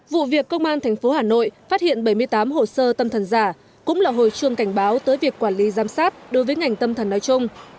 vụ việc công an tp hà nội phát hiện bảy mươi tám hồ sơ tâm thần giả cũng là hồi chuông cảnh báo tới việc quản lý giám sát đối với ngành tâm thần nói chung